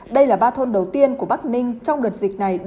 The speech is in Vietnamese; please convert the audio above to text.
đây là ba thôn đầu tiên của bắc ninh trong đợt dịch này